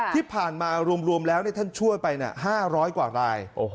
ที่ผ่านมารวมแล้วท่านช่วยไป๕๐๐กว่าราย